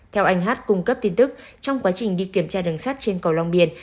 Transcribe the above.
theo anh hát cung cấp tin tức trong quá trình đi kiểm tra đường sắt trên cầu long biên